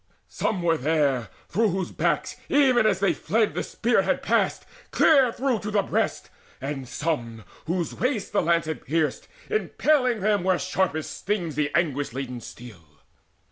Some were there, through whose backs, even as they fled, The spear had passed, clear through to the breast, and some Whose waists the lance had pierced, impaling them Where sharpest stings the anguish laden steel.